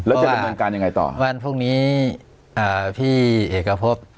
แล้วจะดำเนินการยังไงต่อวันพรุ่งนี้อ่าพี่เอกพบ